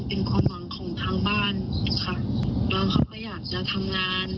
เป็นความหวังของทางบ้านค่ะน้องเขาก็อยากจะทำงาน